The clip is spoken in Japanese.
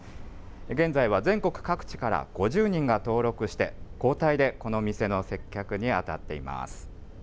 現在は、全国各地から５０人が登録して、交代でこの店の接客に当たっています。